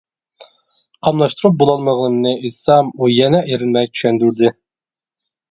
قاملاشتۇرۇپ بولالمىغىنىمنى ئېيتسام ئۇ يەنە ئېرىنمەي چۈشەندۈردى.